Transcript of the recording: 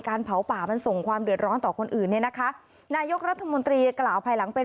เผาป่ามันส่งความเดือดร้อนต่อคนอื่นเนี่ยนะคะนายกรัฐมนตรีกล่าวภายหลังเป็น